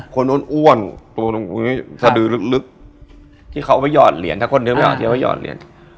คนอ้วนสะดือลึกที่เขาเอาไปหยอดเหรียญถ้าคนนึงไม่ออกที่เขาเอาไปหยอดเหรียญ